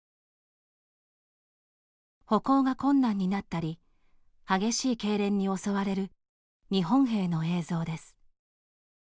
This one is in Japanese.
歩行が困難になったり激しいけいれんに襲われる日本兵の映像です。